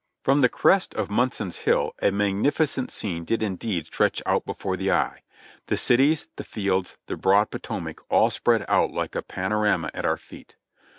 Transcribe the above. From the crest of Munson's Hill a magnificent scene did indeed stretch out before the eye; the cities, the fields, the broad Po tomac all spread out like a panorama at our feet.